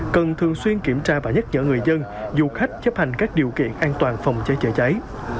cần thường xuyên kiểm tra và nhắc nhở người dân du khách chấp hành các điều kiện an toàn phòng cháy chữa cháy